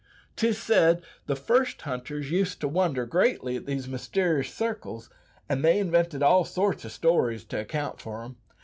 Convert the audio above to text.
Tis said the first hunters used to wonder greatly at these myster'ous circles, and they invented all sorts o' stories to account for 'em.